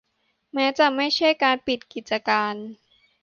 แม้จะไม่ใช่การปิดกิจการ